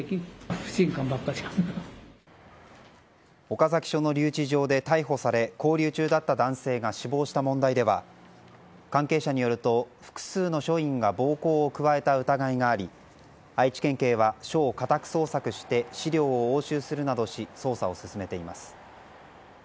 岡崎署の留置場で逮捕され勾留中だった男性が死亡した問題では関係者によると複数の署員が暴行を加えた疑いがあり愛知県警は、署を家宅捜索して資料を押収するなど捜査を進めています。